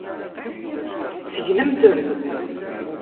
Segnemt-ten.